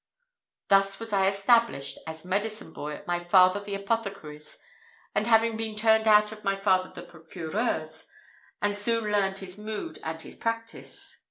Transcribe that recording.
Thus was I established as medicine boy at my father the apothecary's, after having been turned out of my father the procureur's, and soon learned his mood and his practice.